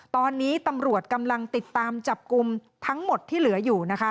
ตอนนี้ตำรวจกำลังติดตามจับกลุ่มทั้งหมดที่เหลืออยู่นะคะ